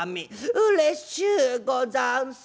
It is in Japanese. うれしゅうござんす。